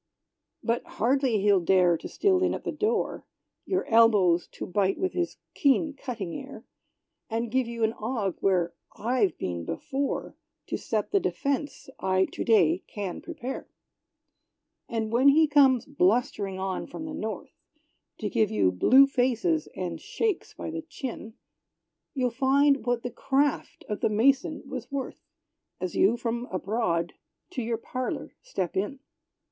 But hardly he'll dare to steal in at the door, Your elbows to bite with his keen cutting air, And give you an ague, where I've been before, To set the defence I to day can prepare. And when he comes blustering on from the north, To give you blue faces, and shakes by the chin, You'll find what the craft of the mason was worth, As you from abroad to your parlor step in!